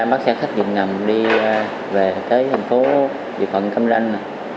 em bắt xe khách dừng ngầm đi về tới thành phố tuy phong cam ranh